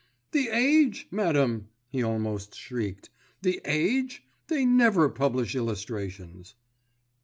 "The Age, madam?" he almost shrieked. "The Age? They never publish illustrations."